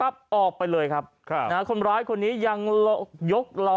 ป๊บออกไปเลยครับครับนะฮะคนร้ายคนนี้ยังลวงหลอกยกล้อ